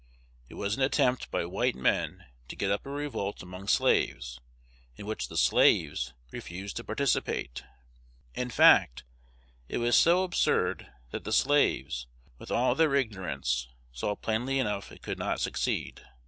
It was an attempt by white men to get up a revolt among slaves, in which the slaves refused to participate. In fact, it was so absurd that the slaves, with all their ignorance, saw plainly enough it could not succeed.